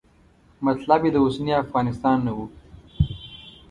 مطلب یې د اوسني افغانستان نه و.